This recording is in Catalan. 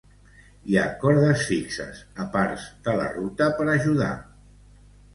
Hi ha cordes fixes a parts de la ruta per ajudar.